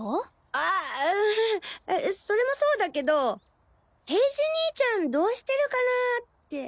あうんそれもそうだけど平次にいちゃんどうしてるかなって。